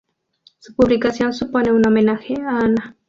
Su publicación supone un homenaje a Ana.